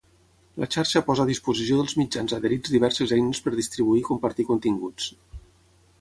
La Xarxa posa a disposició dels mitjans adherits diverses eines per distribuir i compartir continguts.